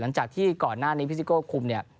หลังจากที่ก่อนหน้านี้พี่ซิโก้คุมเนี่ย